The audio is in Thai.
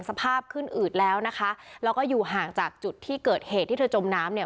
สภาพขึ้นอืดแล้วนะคะแล้วก็อยู่ห่างจากจุดที่เกิดเหตุที่เธอจมน้ำเนี่ย